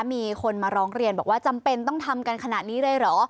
มีคนมาร้องเรียนบอกว่าจำเป็นต้องทำกันขนาดนี้เลยเหรอ